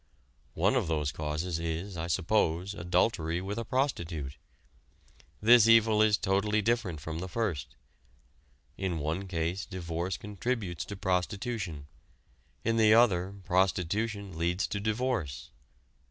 One of those causes is, I suppose, adultery with a prostitute. This evil is totally different from the first: in one case divorce contributes to prostitution, in the other, prostitution leads to divorce.